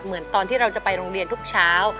เหมือนตอนที่เราจะไปโรงเรียนทุกเช้า